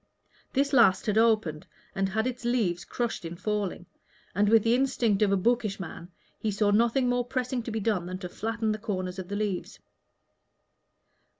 This last had opened, and had its leaves crushed in falling; and, with the instinct of a bookish man, he saw nothing more pressing to be done than to flatten the corners of the leaves.